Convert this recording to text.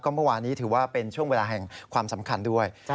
เมื่อวานี้ถือว่าเป็นช่วงเวลาแห่งความสำคัญด้วย